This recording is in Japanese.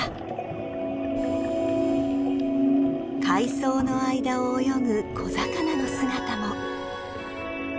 ［海藻の間を泳ぐ小魚の姿も］